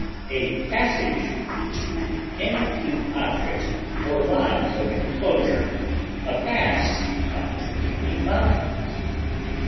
A passage is between any two objects or lines of enclosure, a pass commonly between mountains.